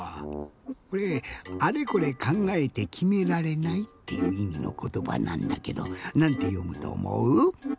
これ「あれこれかんがえてきめられない」っていういみのことばなんだけどなんてよむとおもう？